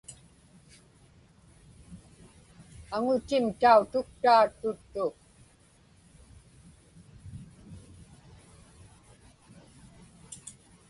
Aŋutim tautuktaa tuttu.